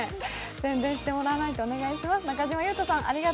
宣伝してもらわないと、お願いします。